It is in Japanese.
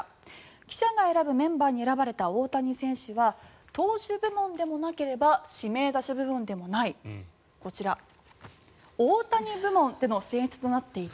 記者が選ぶメンバーに選ばれた大谷選手は投手部門でもなければ指名打者部門でもないこちら、オオタニ部門というので選出となっていて。